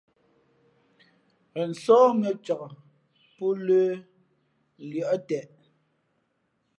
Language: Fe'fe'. Ghen sóh mʉ̄ᾱ cak pǒ lə̌ lʉα teʼ.